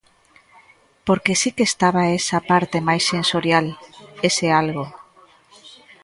Porque si que estaba esa parte máis sensorial, ese algo.